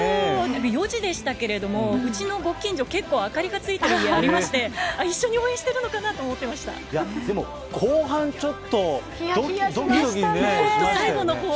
４時でしたけども、うちのご近所、結構明かりがついてる家ありまして、一緒に応援してるのかなと思でも、後半ちょっと、どきどきしましたよね。